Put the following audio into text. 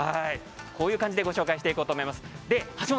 こういう感じでご紹介していきます。